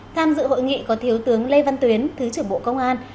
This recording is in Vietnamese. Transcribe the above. tham dự hội nghị có thiếu tướng lê văn tuyến thứ trưởng bộ công an